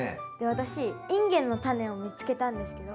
私インゲンのタネを見つけたんですけど。